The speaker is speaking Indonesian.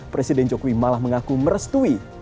presiden jokowi malah mengaku merestui